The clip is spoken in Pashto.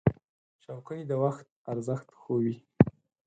چوکۍ د وخت ارزښت ښووي.